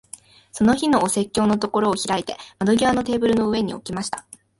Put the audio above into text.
その日のお説教のところを開いて、窓際のテーブルの上に置きました。